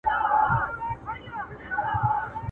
د فقیر لور په دربار کي ملکه سوه!!